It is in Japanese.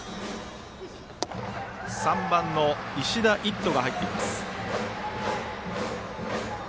３番の石田一斗が入っています。